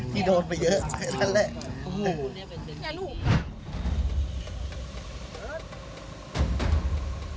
ที่โดนไปเยอะแค่นั้นแหละ